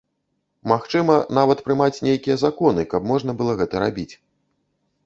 Магчыма, нават прымаць нейкія законы, каб можна было гэта рабіць.